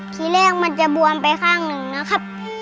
ทีแรกมันจะบวมไปข้างหนึ่งนะครับ